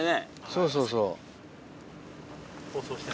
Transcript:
そうそうそう。